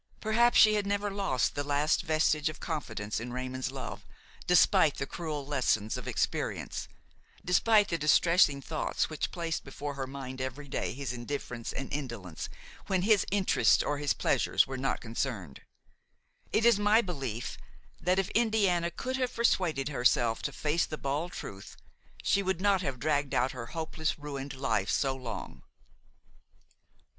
Perhaps she never lost the last vestige of confidence in Raymon's love, despite the cruel lessons of experience, despite the distressing thoughts which placed before her mind every day his indifference and indolence when his interests or his pleasures were not concerned. It is my belief that, if Indiana could have persuaded herself to face the bald truth, she would not have dragged out her hopeless, ruined life so long.